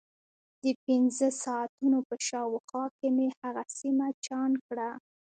د پنځه ساعتونو په شاوخوا کې مې هغه سیمه چاڼ کړه.